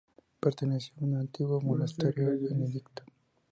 Perteneció a un antiguo monasterio benedictino.